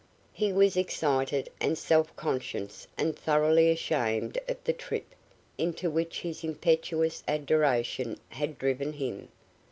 He was excited and self conscious and thoroughly ashamed of the trip into which his impetuous adoration had driven him.